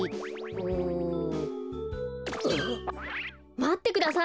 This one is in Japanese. まってください！